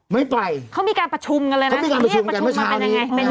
ไม่ไปเขามีการประชุมกันเลยนะนี้ประชุมมันเป็นยังไงเขามีการประชุมกันเมื่อเช้านี้